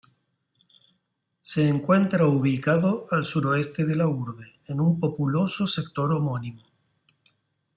Se encuentra ubicado al suroeste de la urbe, en un populoso sector homónimo.